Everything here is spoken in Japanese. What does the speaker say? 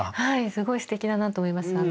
すごいすてきだなと思います。